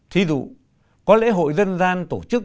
thí dụ có lễ hội dân gian tổ chức